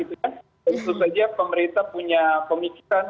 tentu saja pemerintah punya pemikiran